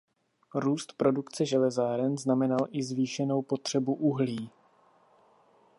Růst produkce železáren znamenal i zvýšenou potřebu uhlí.